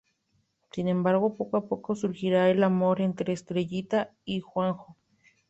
Sin embargo, poco a poco surgirá el amor entre Estrellita y Juanjo.